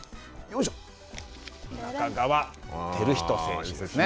仲川輝人選手ですね。